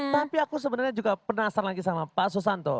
tapi aku sebenarnya juga penasaran lagi sama pak susanto